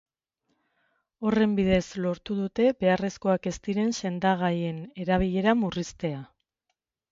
Horren bidez lortu dute beharrezkoak ez diren sendagaien erabilera murriztea.